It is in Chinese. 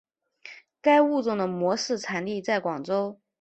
该物种的模式产地在广州。